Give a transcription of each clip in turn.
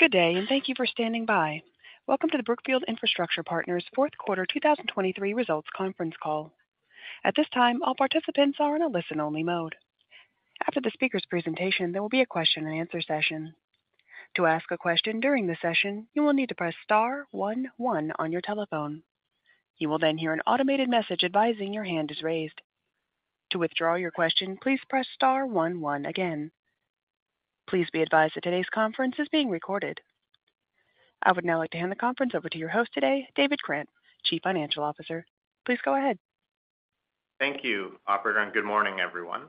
Good day, and thank you for standing by. Welcome to the Brookfield Infrastructure Partners Fourth Quarter 2023 Results Conference Call. At this time, all participants are in a listen-only mode. After the speaker's presentation, there will be a question-and-answer session. To ask a question during the session, you will need to press star one one on your telephone. You will then hear an automated message advising your hand is raised. To withdraw your question, please press star one one again. Please be advised that today's conference is being recorded. I would now like to hand the conference over to your host today, David Krant, Chief Financial Officer. Please go ahead. Thank you, operator, and good morning, everyone.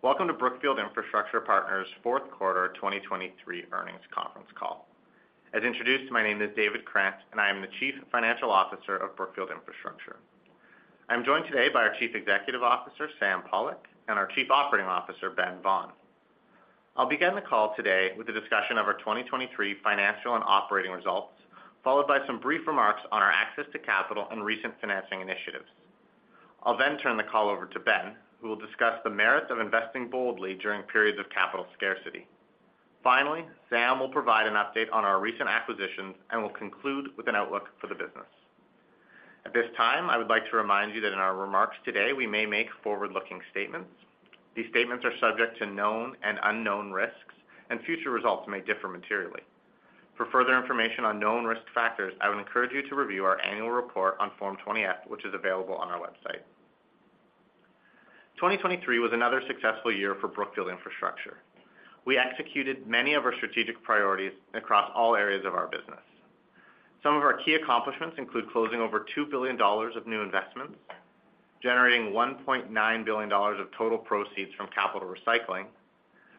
Welcome to Brookfield Infrastructure Partners' Fourth Quarter 2023 Earnings Conference Call. As introduced, my name is David Krant, and I am the Chief Financial Officer of Brookfield Infrastructure. I'm joined today by our Chief Executive Officer, Sam Pollock, and our Chief Operating Officer, Ben Vaughan. I'll begin the call today with a discussion of our 2023 financial and operating results, followed by some brief remarks on our access to capital and recent financing initiatives. I'll then turn the call over to Ben, who will discuss the merits of investing boldly during periods of capital scarcity. Finally, Sam will provide an update on our recent acquisitions and will conclude with an outlook for the business. At this time, I would like to remind you that in our remarks today, we may make forward-looking statements. These statements are subject to known and unknown risks, and future results may differ materially. For further information on known risk factors, I would encourage you to review our annual report on Form 20-F, which is available on our website. 2023 was another successful year for Brookfield Infrastructure. We executed many of our strategic priorities across all areas of our business. Some of our key accomplishments include closing over $2 billion of new investments, generating $1.9 billion of total proceeds from capital recycling,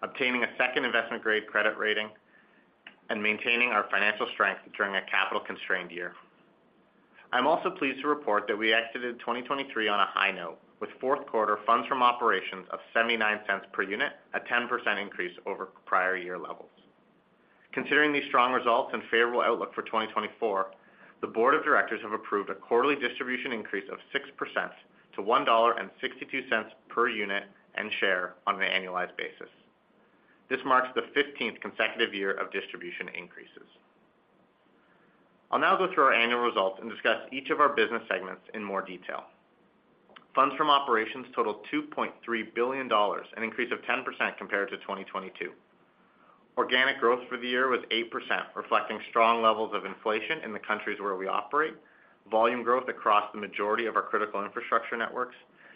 obtaining a second investment-grade credit rating, and maintaining our financial strength during a capital-constrained year. I'm also pleased to report that we exited 2023 on a high note, with fourth quarter funds from operations of $0.79 per unit, a 10% increase over prior year levels. Considering these strong results and favorable outlook for 2024, the board of directors have approved a quarterly distribution increase of 6% to $1.62 per unit and share on an annualized basis. This marks the 15th consecutive year of distribution increases. I'll now go through our annual results and discuss each of our business segments in more detail. Funds from operations totaled $2.3 billion, an increase of 10% compared to 2022. Organic growth for the year was 8%, reflecting strong levels of inflation in the countries where we operate, volume growth across the majority of our critical infrastructure networks,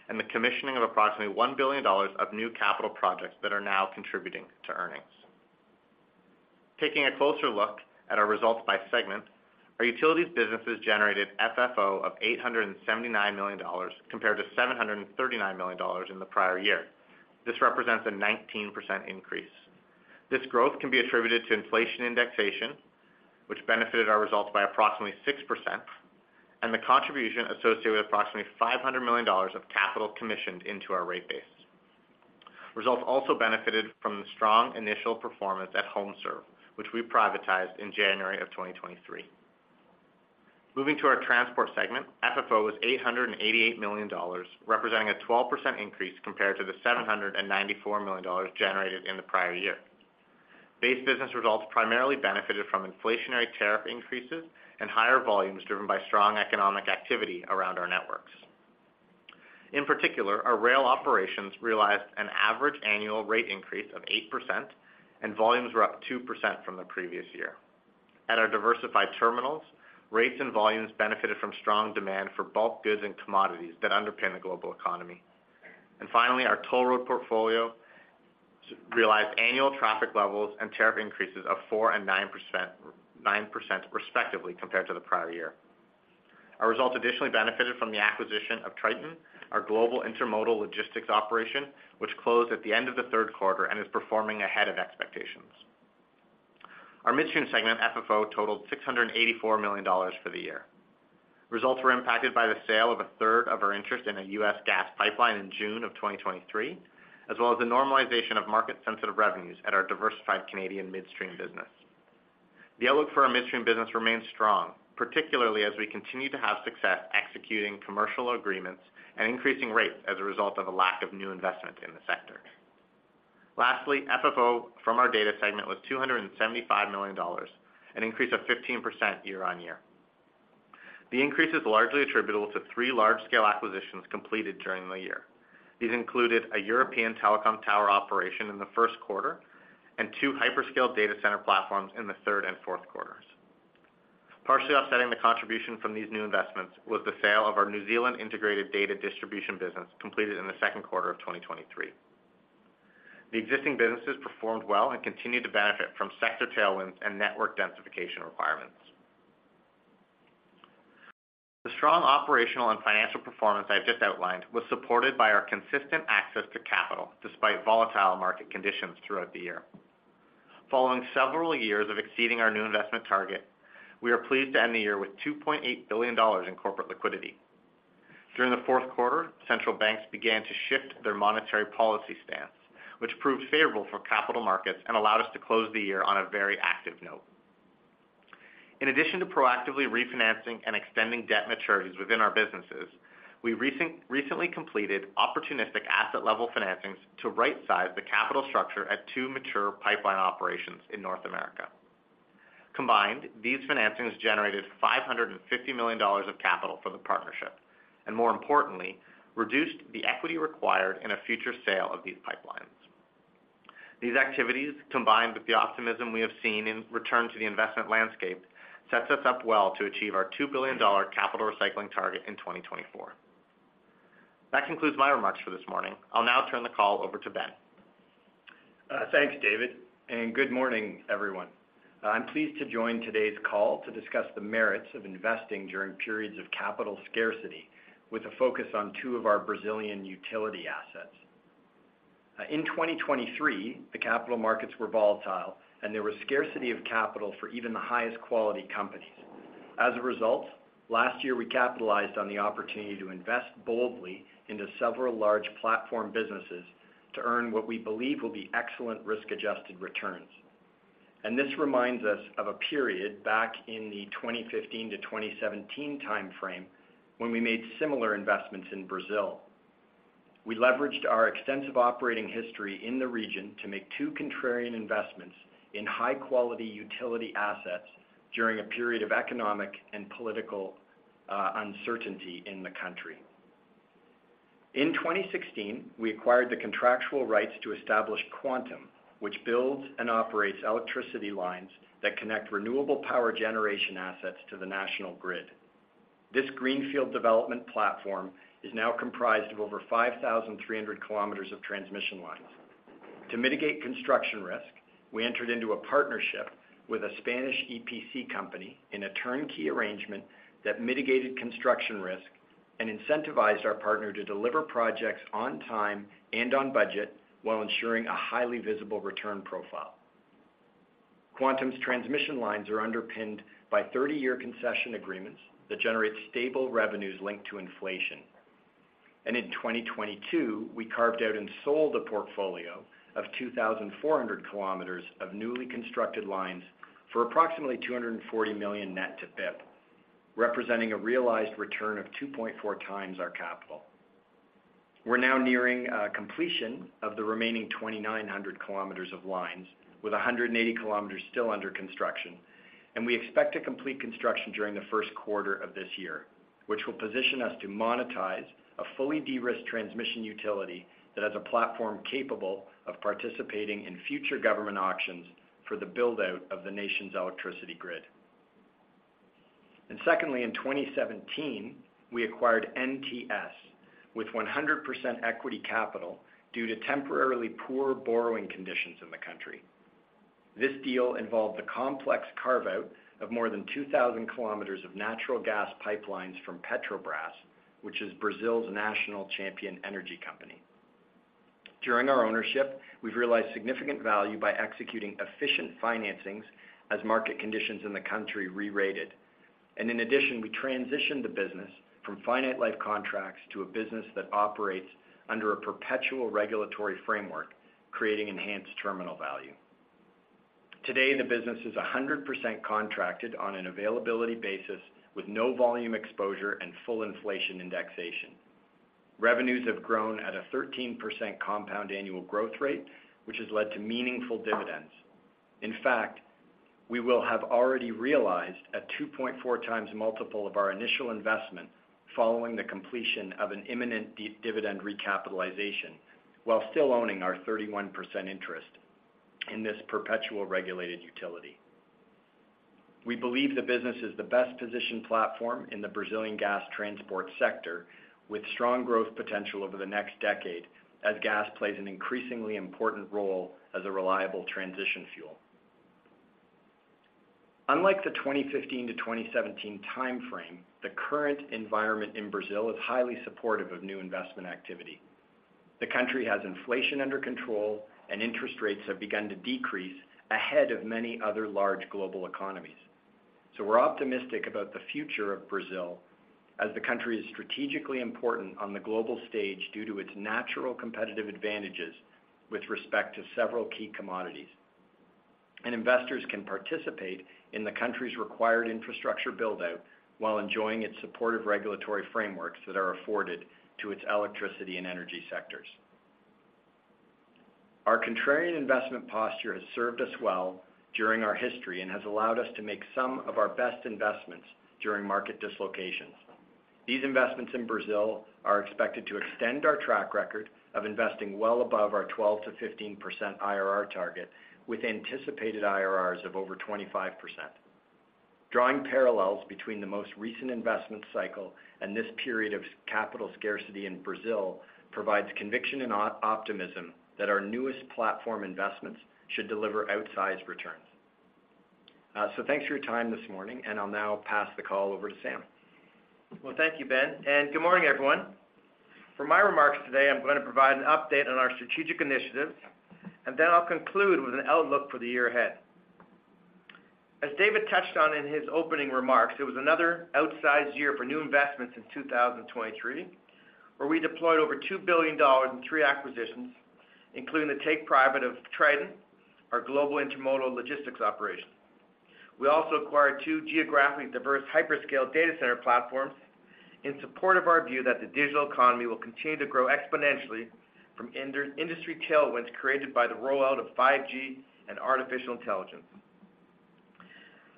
and the commissioning of approximately $1 billion of new capital projects that are now contributing to earnings. Taking a closer look at our results by segment, our utilities businesses generated FFO of $879 million, compared to $739 million in the prior year. This represents a 19% increase. This growth can be attributed to inflation indexation, which benefited our results by approximately 6%, and the contribution associated with approximately $500 million of capital commissioned into our rate base. Results also benefited from the strong initial performance at HomeServe, which we privatized in January 2023. Moving to our transport segment, FFO was $888 million, representing a 12% increase compared to the $794 million generated in the prior year. Base business results primarily benefited from inflationary tariff increases and higher volumes driven by strong economic activity around our networks. In particular, our rail operations realized an average annual rate increase of 8%, and volumes were up 2% from the previous year. At our diversified terminals, rates and volumes benefited from strong demand for bulk goods and commodities that underpin the global economy. Finally, our toll road portfolio realized annual traffic levels and tariff increases of 4% and 9%, 9%, respectively, compared to the prior year. Our results additionally benefited from the acquisition of Triton, our global intermodal logistics operation, which closed at the end of the third quarter and is performing ahead of expectations. Our midstream segment, FFO, totaled $684 million for the year. Results were impacted by the sale of a third of our interest in a U.S. gas pipeline in June of 2023, as well as the normalization of market-sensitive revenues at our diversified Canadian midstream business. The outlook for our midstream business remains strong, particularly as we continue to have success executing commercial agreements and increasing rates as a result of a lack of new investment in the sector. Lastly, FFO from our data segment was $275 million, an increase of 15% year-on-year. The increase is largely attributable to three large-scale acquisitions completed during the year. These included a European telecom tower operation in the first quarter and two hyperscale data center platforms in the third and fourth quarters. Partially offsetting the contribution from these new investments was the sale of our New Zealand integrated data distribution business, completed in the second quarter of 2023. The existing businesses performed well and continued to benefit from sector tailwinds and network densification requirements. The strong operational and financial performance I've just outlined was supported by our consistent access to capital, despite volatile market conditions throughout the year. Following several years of exceeding our new investment target, we are pleased to end the year with $2.8 billion in corporate liquidity. During the fourth quarter, central banks began to shift their monetary policy stance, which proved favorable for capital markets and allowed us to close the year on a very active note. In addition to proactively refinancing and extending debt maturities within our businesses, we recently completed opportunistic asset-level financings to rightsize the capital structure at two mature pipeline operations in North America. Combined, these financings generated $550 million of capital for the partnership, and more importantly, reduced the equity required in a future sale of these pipelines. These activities, combined with the optimism we have seen in return to the investment landscape, sets us up well to achieve our $2 billion capital recycling target in 2024. That concludes my remarks for this morning. I'll now turn the call over to Ben. Thanks, David, and good morning, everyone. I'm pleased to join today's call to discuss the merits of investing during periods of capital scarcity, with a focus on two of our Brazilian utility assets. In 2023, the capital markets were volatile, and there was scarcity of capital for even the highest quality companies. As a result, last year, we capitalized on the opportunity to invest boldly into several large platform businesses to earn what we believe will be excellent risk-adjusted returns. This reminds us of a period back in the 2015-2017 timeframe, when we made similar investments in Brazil. We leveraged our extensive operating history in the region to make two contrarian investments in high-quality utility assets during a period of economic and political uncertainty in the country. In 2016, we acquired the contractual rights to establish Quantum, which builds and operates electricity lines that connect renewable power generation assets to the national grid. This greenfield development platform is now comprised of over 5,300 km of transmission lines. To mitigate construction risk, we entered into a partnership with a Spanish EPC company in a turnkey arrangement that mitigated construction risk and incentivized our partner to deliver projects on time and on budget, while ensuring a highly visible return profile. Quantum's transmission lines are underpinned by 30-year concession agreements that generate stable revenues linked to inflation. In 2022, we carved out and sold a portfolio of 2,400 km of newly constructed lines for approximately $240 million net to BIP, representing a realized return of 2.4x our capital. We're now nearing completion of the remaining 2,900 km of lines, with 180 km still under construction. We expect to complete construction during the first quarter of this year, which will position us to monetize a fully de-risked transmission utility that has a platform capable of participating in future government auctions for the build-out of the nation's electricity grid. Secondly, in 2017, we acquired NTS with 100% equity capital due to temporarily poor borrowing conditions in the country. This deal involved a complex carve-out of more than 2,000 km of natural gas pipelines from Petrobras, which is Brazil's national champion energy company. During our ownership, we've realized significant value by executing efficient financings as market conditions in the country rerated. In addition, we transitioned the business from finite life contracts to a business that operates under a perpetual regulatory framework, creating enhanced terminal value. Today, the business is 100% contracted on an availability basis, with no volume exposure and full inflation indexation. Revenues have grown at a 13% compound annual growth rate, which has led to meaningful dividends. In fact, we will have already realized a 2.4x multiple of our initial investment following the completion of an imminent dividend recapitalization, while still owning our 31% interest in this perpetual regulated utility. We believe the business is the best-positioned platform in the Brazilian gas transport sector, with strong growth potential over the next decade, as gas plays an increasingly important role as a reliable transition fuel. Unlike the 2015-2017 timeframe, the current environment in Brazil is highly supportive of new investment activity. The country has inflation under control, and interest rates have begun to decrease ahead of many other large global economies. So we're optimistic about the future of Brazil, as the country is strategically important on the global stage due to its natural competitive advantages with respect to several key commodities. Investors can participate in the country's required infrastructure build-out while enjoying its supportive regulatory frameworks that are afforded to its electricity and energy sectors. Our contrarian investment posture has served us well during our history and has allowed us to make some of our best investments during market dislocations. These investments in Brazil are expected to extend our track record of investing well above our 12%-15% IRR target, with anticipated IRRs of over 25%. Drawing parallels between the most recent investment cycle and this period of capital scarcity in Brazil, provides conviction and optimism that our newest platform investments should deliver outsized returns. So thanks for your time this morning, and I'll now pass the call over to Sam. Well, thank you, Ben, and good morning, everyone. For my remarks today, I'm going to provide an update on our strategic initiatives, and then I'll conclude with an outlook for the year ahead. As David touched on in his opening remarks, it was another outsized year for new investments in 2023, where we deployed over $2 billion in three acquisitions, including the take private of Triton, our global intermodal logistics operation. We also acquired two geographically diverse hyperscale data center platforms in support of our view that the digital economy will continue to grow exponentially from industry tailwinds created by the rollout of 5G and artificial intelligence.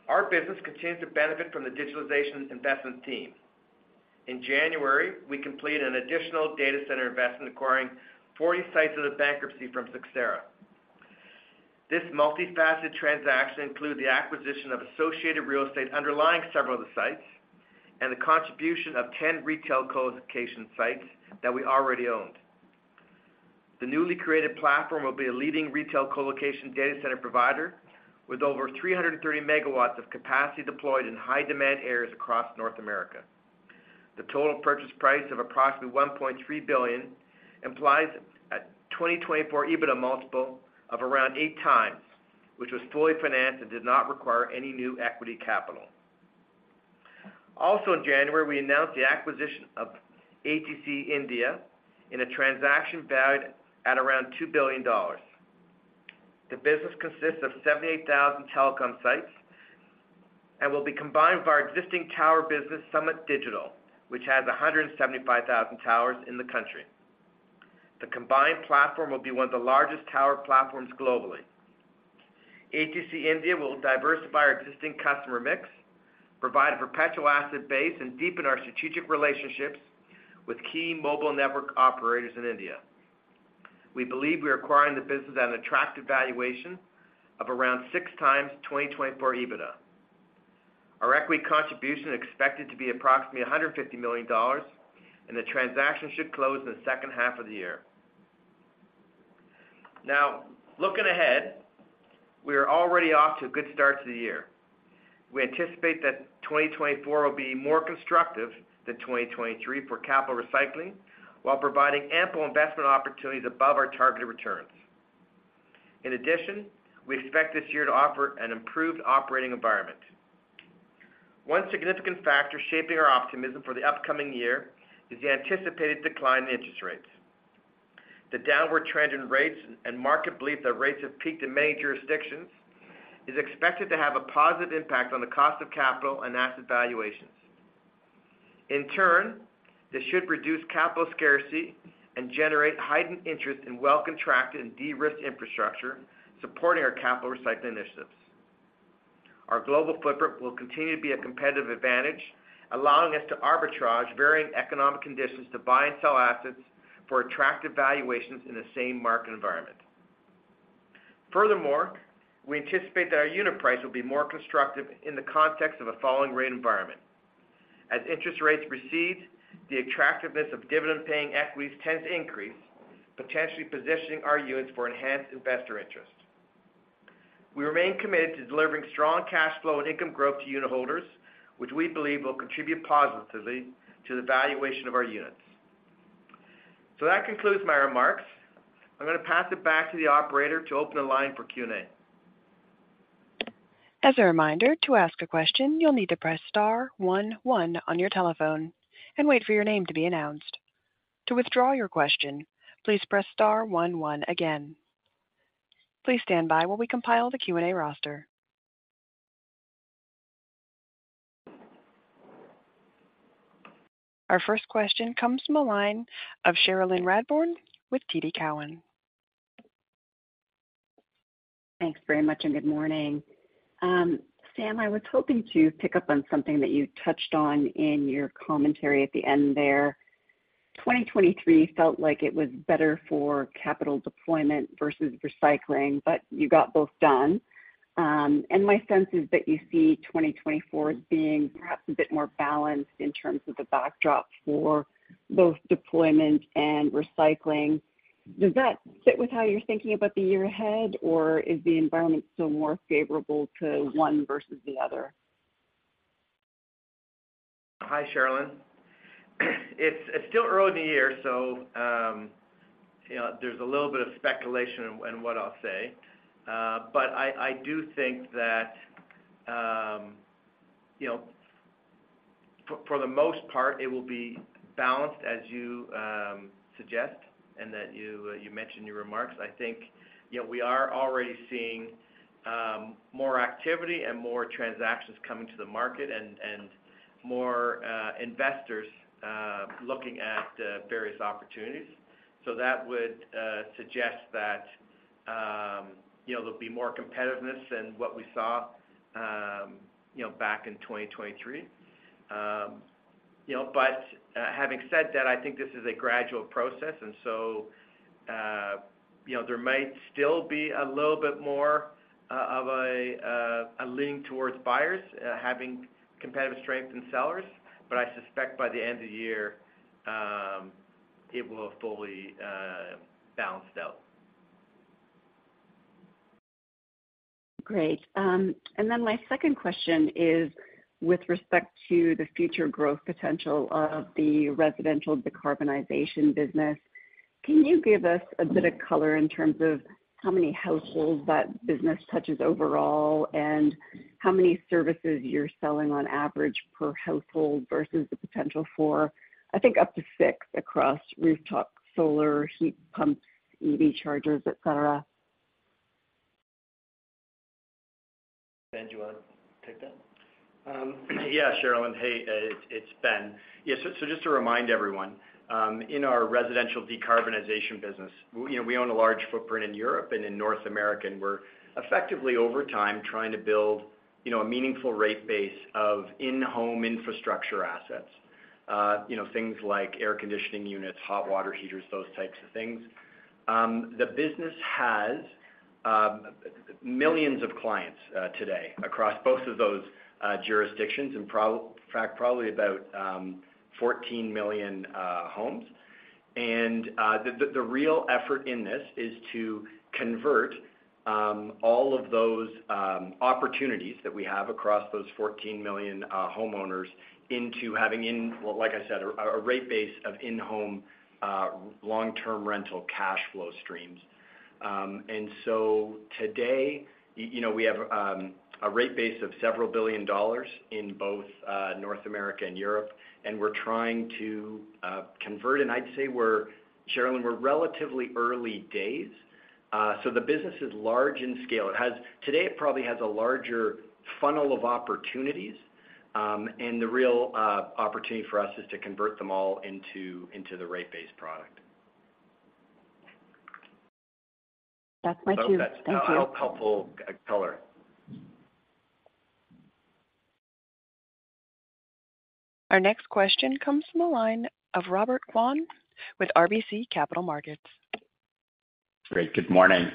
Our business continues to benefit from the digitalization investment theme. In January, we completed an additional data center investment, acquiring 40 sites of the bankruptcy from Cyxtera. This multifaceted transaction included the acquisition of associated real estate underlying several of the sites and the contribution of 10 retail co-location sites that we already owned. The newly created platform will be a leading retail co-location data center provider with over 330 MW of capacity deployed in high demand areas across North America. The total purchase price of approximately $1.3 billion implies a 2024 EBITDA multiple of around 8x, which was fully financed and did not require any new equity capital. Also, in January, we announced the acquisition of ATC India in a transaction valued at around $2 billion. The business consists of 78,000 telecom sites and will be combined with our existing tower business, Summit Digitel, which has 175,000 towers in the country. The combined platform will be one of the largest tower platforms globally. ATC India will diversify our existing customer mix, provide a perpetual asset base, and deepen our strategic relationships with key mobile network operators in India. We believe we are acquiring the business at an attractive valuation of around 6x 2024 EBITDA. Our equity contribution is expected to be approximately $150 million, and the transaction should close in the second half of the year. Now, looking ahead, we are already off to a good start to the year. We anticipate that 2024 will be more constructive than 2023 for capital recycling, while providing ample investment opportunities above our targeted returns. In addition, we expect this year to offer an improved operating environment. One significant factor shaping our optimism for the upcoming year is the anticipated decline in interest rates. The downward trend in rates and market belief that rates have peaked in many jurisdictions is expected to have a positive impact on the cost of capital and asset valuations. In turn, this should reduce capital scarcity and generate heightened interest in well-contracted and de-risked infrastructure, supporting our capital recycling initiatives. Our global footprint will continue to be a competitive advantage, allowing us to arbitrage varying economic conditions to buy and sell assets for attractive valuations in the same market environment. Furthermore, we anticipate that our unit price will be more constructive in the context of a falling rate environment. As interest rates recede, the attractiveness of dividend-paying equities tends to increase, potentially positioning our units for enhanced investor interest. We remain committed to delivering strong cash flow and income growth to unitholders, which we believe will contribute positively to the valuation of our units. That concludes my remarks. I'm going to pass it back to the operator to open the line for Q&A. As a reminder, to ask a question, you'll need to press star one one on your telephone and wait for your name to be announced. To withdraw your question, please press star one one again. Please stand by while we compile the Q&A roster. Our first question comes from the line of Cherilyn Radbourne with TD Cowen. Thanks very much, and good morning. Sam, I was hoping to pick up on something that you touched on in your commentary at the end there. 2023 felt like it was better for capital deployment versus recycling, but you got both done. And my sense is that you see 2024 as being perhaps a bit more balanced in terms of the backdrop for both deployment and recycling. Does that fit with how you're thinking about the year ahead, or is the environment still more favorable to one versus the other? Hi, Cherilyn. It's still early in the year, so, you know, there's a little bit of speculation in what I'll say. But I do think that, you know, for the most part, it will be balanced, as you suggest, and that you mentioned your remarks. I think, you know, we are already seeing more activity and more transactions coming to the market and more investors looking at various opportunities. So that would suggest that, you know, there'll be more competitiveness than what we saw, you know, back in 2023. But, having said that, I think this is a gradual process, and so, you know, there might still be a little bit more of a lean towards buyers having competitive strength than sellers. But I suspect by the end of the year, it will have fully balanced out. Great. And then my second question is with respect to the future growth potential of the residential decarbonization business. Can you give us a bit of color in terms of how many households that business touches overall, and how many services you're selling on average per household versus the potential for, I think, up to six across rooftop solar, heat pumps, EV chargers, et cetera?... Ben, do you want to take that? Yeah, Cherilyn, and hey, it's Ben. Yeah, so just to remind everyone, in our residential decarbonization business, you know, we own a large footprint in Europe and in North America, and we're effectively, over time, trying to build, you know, a meaningful rate base of in-home infrastructure assets. You know, things like air conditioning units, hot water heaters, those types of things. The business has millions of clients today across both of those jurisdictions, in fact, probably about 14 million homes. The real effort in this is to convert all of those opportunities that we have across those 14 million homeowners into having, well, like I said, a rate base of in-home long-term rental cash flow streams. And so today, you know, we have a rate base of $several billion in both North America and Europe, and we're trying to convert, and I'd say we're, Cherilyn, we're relatively early days. So the business is large in scale. It has today, it probably has a larger funnel of opportunities, and the real opportunity for us is to convert them all into the rate base product. That's my cue. Thank you. I hope helpful, color. Our next question comes from the line of Robert Kwan with RBC Capital Markets. Great, good morning.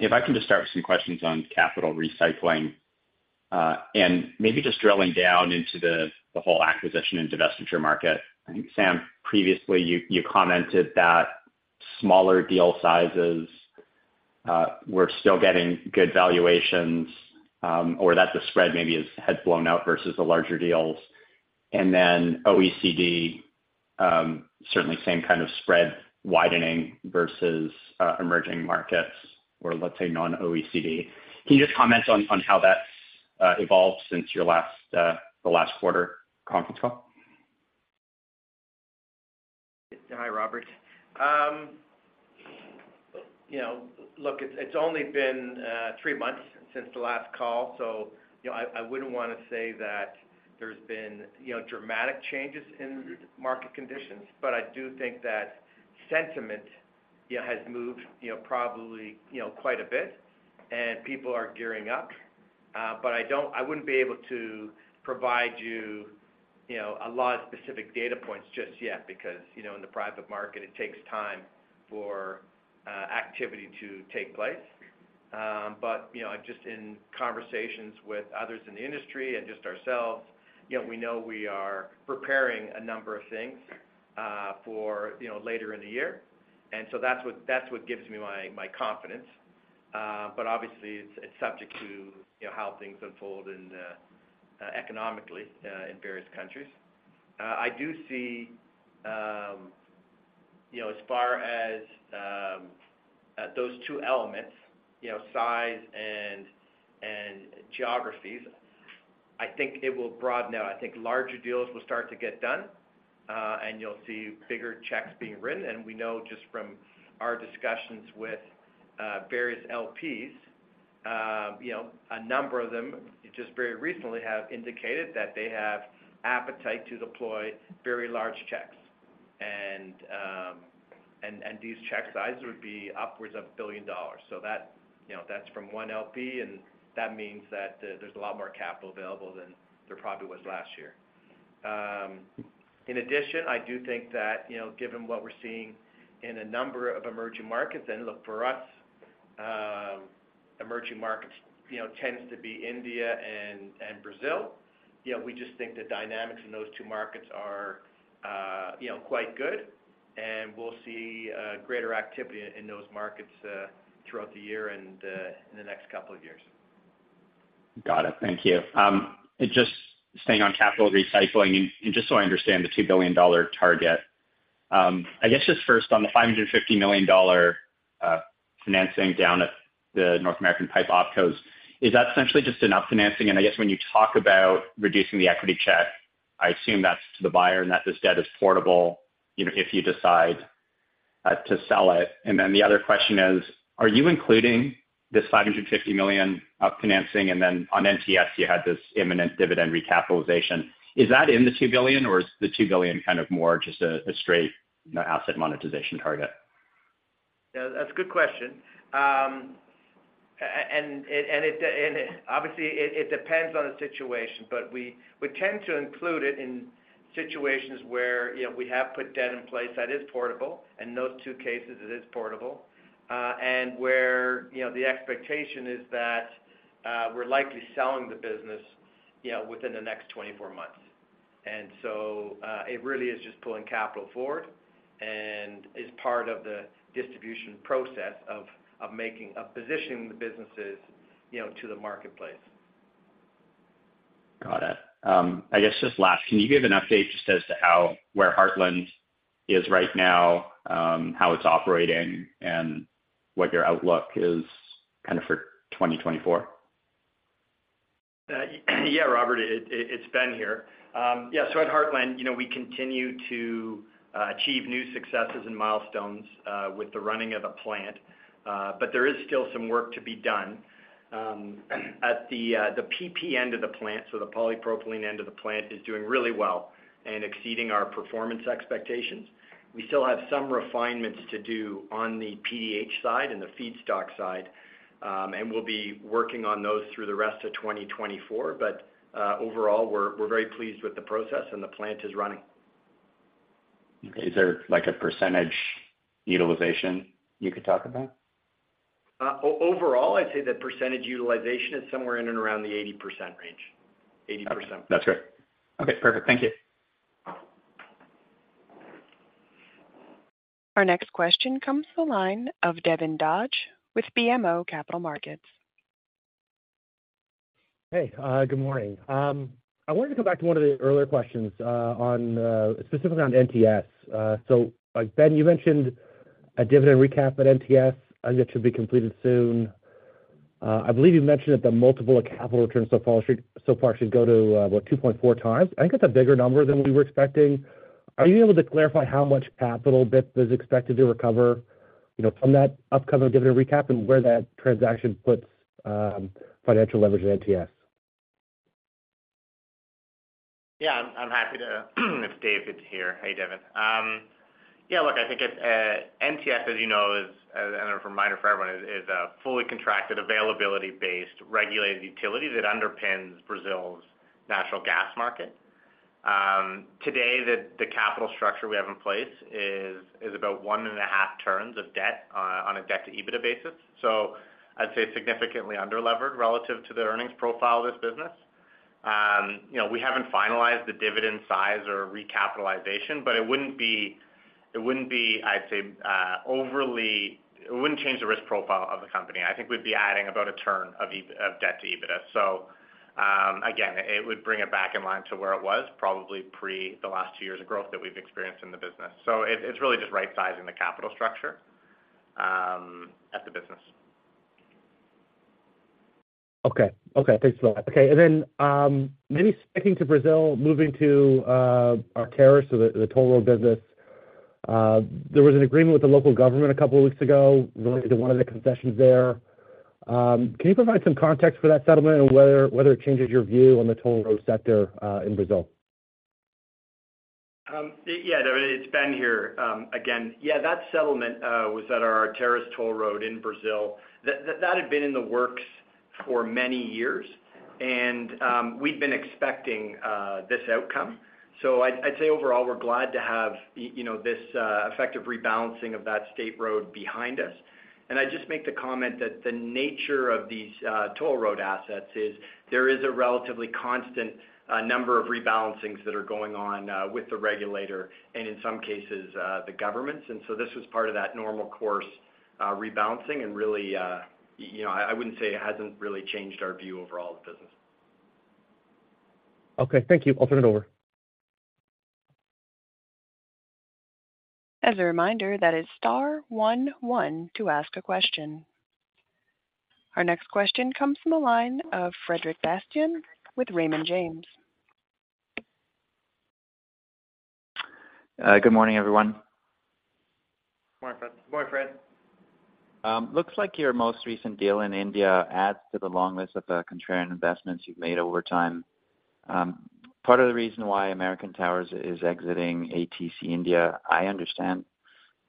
If I can just start with some questions on capital recycling, and maybe just drilling down into the whole acquisition and divestiture market. I think, Sam, previously you commented that smaller deal sizes were still getting good valuations, or that the spread maybe is had blown out versus the larger deals. And then OECD, certainly same kind of spread widening versus, emerging markets or let's say, non-OECD. Can you just comment on how that's evolved since your last, the last quarter conference call? Hi, Robert. You know, look, it's only been three months since the last call, so you know, I wouldn't want to say that there's been, you know, dramatic changes in market conditions, but I do think that sentiment, yeah, has moved, you know, probably, you know, quite a bit, and people are gearing up. But I wouldn't be able to provide you, you know, a lot of specific data points just yet, because, you know, in the private market, it takes time for activity to take place. But, you know, just in conversations with others in the industry and just ourselves, you know, we know we are preparing a number of things for, you know, later in the year. And so that's what gives me my confidence. But obviously, it's subject to, you know, how things unfold and economically in various countries. I do see, you know, as far as those two elements, you know, size and geographies, I think it will broaden out. I think larger deals will start to get done, and you'll see bigger checks being written. And we know just from our discussions with various LPs, you know, a number of them, just very recently, have indicated that they have appetite to deploy very large checks. And these check sizes would be upwards of $1 billion. So that, you know, that's from one LP, and that means that there's a lot more capital available than there probably was last year. In addition, I do think that, you know, given what we're seeing in a number of emerging markets, and look, for us, emerging markets, you know, tends to be India and Brazil, you know, we just think the dynamics in those two markets are, you know, quite good, and we'll see greater activity in those markets throughout the year and in the next couple of years. Got it. Thank you. Just staying on capital recycling, and just so I understand the $2 billion target. I guess just first on the $550 million financing down at the North American Pipe Opcos, is that essentially just enough financing? And I guess when you talk about reducing the equity check, I assume that's to the buyer and that this debt is portable, you know, if you decide to sell it. And then the other question is, are you including this $550 million of financing, and then on NTS, you had this imminent dividend recapitalization? Is that in the $2 billion, or is the $2 billion kind of more just a straight asset monetization target? Yeah, that's a good question. And it obviously depends on the situation, but we tend to include it in situations where, you know, we have put debt in place that is portable, and in those two cases it is portable. And where, you know, the expectation is that we're likely selling the business, you know, within the next 24 months. And so, it really is just pulling capital forward and is part of the distribution process of making of positioning the businesses, you know, to the marketplace. Got it. I guess just last, can you give an update just as to where Heartland is right now, how it's operating, and what your outlook is kind of for 2024? Yeah, Robert, it, it, it's Ben here. Yeah, so at Heartland, you know, we continue to achieve new successes and milestones with the running of the plant, but there is still some work to be done. At the PP end of the plant, so the polypropylene end of the plant, is doing really well and exceeding our performance expectations. We still have some refinements to do on the PDH side and the feedstock side, and we'll be working on those through the rest of 2024. But overall, we're, we're very pleased with the process, and the plant is running. Okay. Is there, like, a percentage utilization you could talk about? Overall, I'd say the percentage utilization is somewhere in and around the 80% range. 80%. That's great. Okay, perfect. Thank you. Our next question comes from the line of Devin Dodge with BMO Capital Markets. Hey, good morning. I wanted to go back to one of the earlier questions, on, specifically on NTS. So, like, Ben, you mentioned a dividend recap at NTS, and it should be completed soon. I believe you mentioned that the multiple of capital returns so far should, so far should go to, what, 2.4x? I think it's a bigger number than we were expecting. Are you able to clarify how much capital BIP is expected to recover, you know, from that upcoming dividend recap and where that transaction puts, financial leverage at NTS? Yeah, I'm happy to. It's David here. Hey, Devin. Yeah, look, I think, NTS, as you know, is, as a reminder for everyone, is a fully contracted, availability-based, regulated utility that underpins Brazil's natural gas market. Today, the capital structure we have in place is about one and a half turns of debt on a debt-to-EBITDA basis. So I'd say significantly under-levered relative to the earnings profile of this business. You know, we haven't finalized the dividend size or recapitalization, but it wouldn't be, I'd say, overly—it wouldn't change the risk profile of the company. I think we'd be adding about a turn of debt to EBITDA. So, again, it would bring it back in line to where it was, probably pre the last two years of growth that we've experienced in the business. It's really just right-sizing the capital structure at the business. Okay. Okay, thanks for that. Okay, and then, maybe sticking to Brazil, moving to, Arteris, so the, the toll road business. There was an agreement with the local government a couple of weeks ago related to one of the concessions there. Can you provide some context for that settlement and whether, whether it changes your view on the toll road sector, in Brazil? Yeah, it's Ben here, again. Yeah, that settlement was at our Arteris toll road in Brazil. That had been in the works for many years, and we've been expecting this outcome. So I'd say overall, we're glad to have, you know, this effective rebalancing of that state road behind us. And I'd just make the comment that the nature of these toll road assets is there is a relatively constant number of rebalancings that are going on with the regulator and in some cases the governments. And so this was part of that normal course rebalancing and really, you know, I wouldn't say it hasn't really changed our view over all of the business. Okay, thank you. I'll turn it over. As a reminder, that is star one one to ask a question. Our next question comes from the line of Frederic Bastien with Raymond James. Good morning, everyone. Good morning, Fred. Good morning, Fred. Looks like your most recent deal in India adds to the long list of the contrarian investments you've made over time. Part of the reason why American Tower is exiting ATC India, I understand,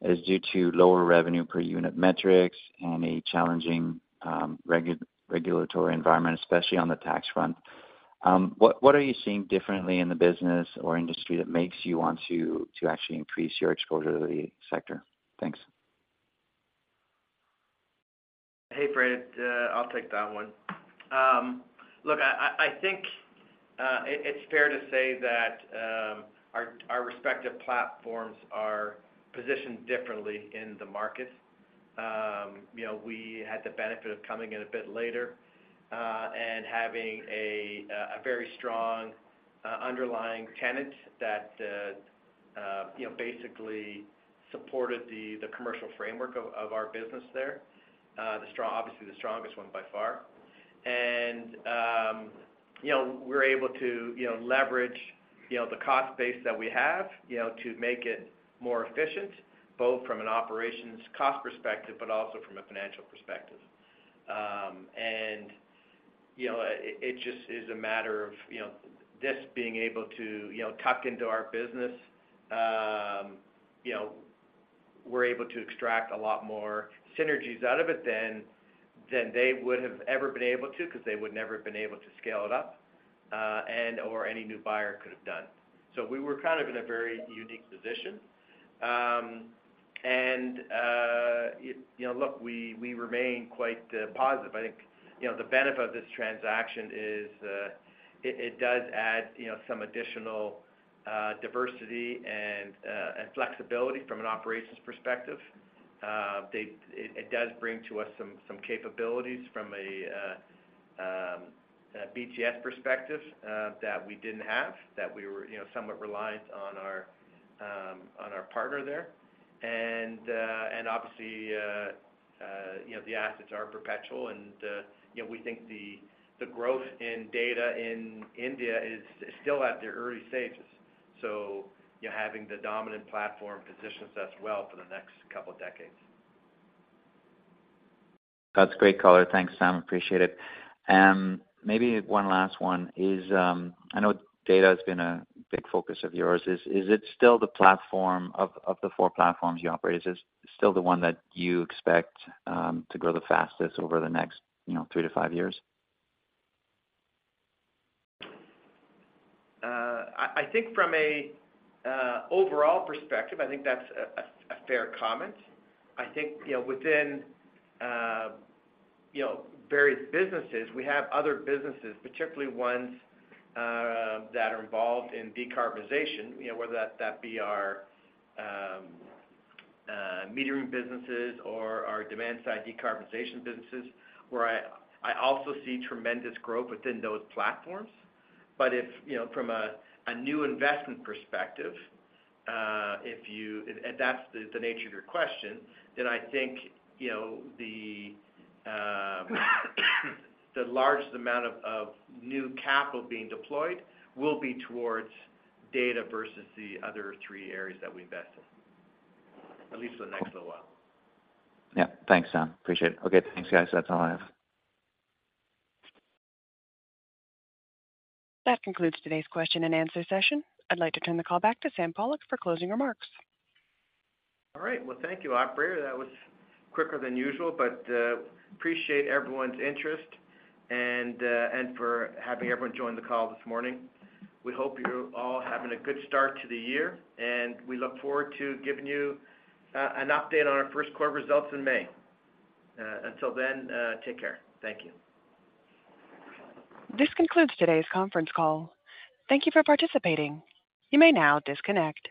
is due to lower revenue per unit metrics and a challenging regulatory environment, especially on the tax front. What are you seeing differently in the business or industry that makes you want to actually increase your exposure to the sector? Thanks. Hey, Fred, I'll take that one. Look, I think it's fair to say that our respective platforms are positioned differently in the market. You know, we had the benefit of coming in a bit later and having a very strong underlying tenant that you know basically supported the commercial framework of our business there. The strong, obviously, the strongest one by far. And you know, we're able to you know leverage the cost base that we have you know to make it more efficient, both from an operations cost perspective, but also from a financial perspective. You know, it just is a matter of, you know, this being able to, you know, tuck into our business, you know, we're able to extract a lot more synergies out of it than they would have ever been able to, because they would never have been able to scale it up, and/or any new buyer could have done. So we were kind of in a very unique position. You know, look, we remain quite positive. I think, you know, the benefit of this transaction is, it does add, you know, some additional diversity and flexibility from an operations perspective. It does bring to us some capabilities from a BTS perspective that we didn't have, that we were, you know, somewhat reliant on our partner there. And obviously, you know, the assets are perpetual and, you know, we think the growth in data in India is still at the early stages.... You having the dominant platform positions us well for the next couple of decades. That's great color. Thanks, Sam. Appreciate it. Maybe one last one is, I know data has been a big focus of yours. Is it still the platform of the four platforms you operate, is it still the one that you expect to grow the fastest over the next, you know, three to five years? I think from a overall perspective, I think that's a fair comment. I think, you know, within you know, various businesses, we have other businesses, particularly ones that are involved in decarbonization, you know, whether that be our metering businesses or our demand-side decarbonization businesses, where I also see tremendous growth within those platforms. But if, you know, from a new investment perspective, if you-- if that's the nature of your question, then I think, you know, the the largest amount of new capital being deployed will be towards data versus the other three areas that we invest in, at least for the next little while. Yeah. Thanks, Sam. Appreciate it. Okay, thanks, guys. That's all I have. That concludes today's question and answer session. I'd like to turn the call back to Sam Pollock for closing remarks. All right. Well, thank you, Operator. That was quicker than usual, but, appreciate everyone's interest and for having everyone join the call this morning. We hope you're all having a good start to the year, and we look forward to giving you, an update on our first quarter results in May. Until then, take care. Thank you. This concludes today's conference call. Thank you for participating. You may now disconnect.